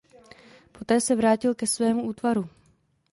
Poté se vrátil ke svému útvaru.